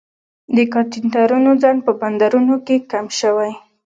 د کانټینرونو ځنډ په بندرونو کې کم شوی